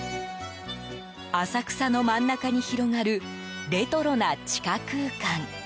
浅草の真ん中に広がるレトロな地下空間。